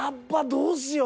どうしよう？